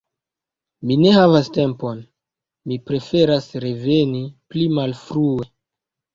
Mi ne havas tempon, mi preferas reveni pli malfrue.